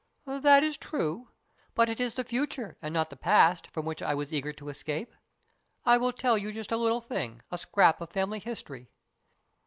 " That is true. But it is the future, and not the past, from which I was eager to escape. I will tell you just a little thing, a scrap of family history.